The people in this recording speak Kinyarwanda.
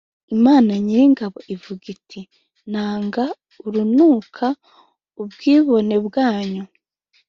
Imana Nyiringabo ivuga iti “Nanga urunuka ubwibone bwanyu”